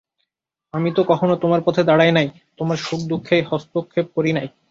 আমি তো কখনো তোমার পথে দাঁড়াই নাই, তোমার সুখদুঃখে হস্তক্ষেপ করি নাই।